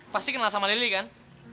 pasti kenal sama lili kan